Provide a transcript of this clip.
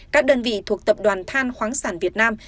các đơn vị thuộc tập đoàn than khoáng sản việt nam